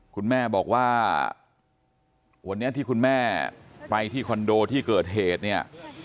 คุณแม่บอกว่าวันนี้ที่คุณแม่ไปที่คอนโดที่เกิดเหตุเนี่ย